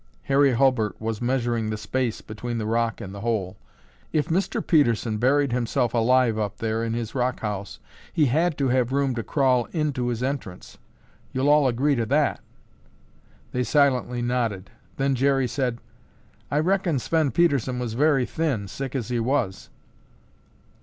Harry Hulbert was measuring the space between the rock and the hole. "If Mr. Pedersen buried himself alive up there in his rock house, he had to have room to crawl into his entrance. You'll all agree to that." They silently nodded, then Jerry said, "I reckon Sven Pedersen was very thin, sick as he was."